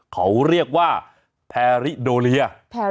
เขาเรียกว่าแพริโดเลีย